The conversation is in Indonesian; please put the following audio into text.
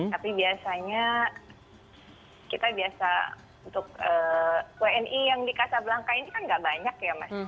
tapi biasanya kita biasa untuk wni yang di casablanca ini kan gak banyak ya mas